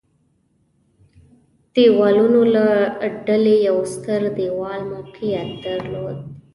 دېوالونو له ډلې یو ستر دېوال موقعیت درلود.